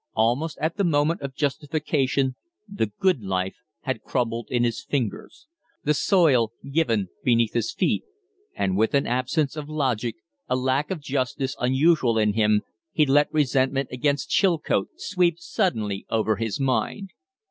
Almost at the moment of justification the good of life had crumbled in his fingers, the soil given beneath his feet, and with an absence of logic, a lack of justice unusual in him, he let resentment against Chilcote sweep suddenly over his mind.